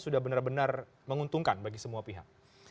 sudah benar benar menguntungkan bagi semua pihak